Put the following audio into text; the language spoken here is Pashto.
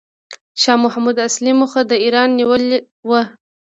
شاه محمود اصلي موخه د ایران نیول و.